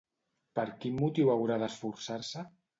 Per quin motiu haurà d'esforçar-se?